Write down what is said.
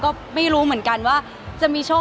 คือบอกเลยว่าเป็นครั้งแรกในชีวิตจิ๊บนะ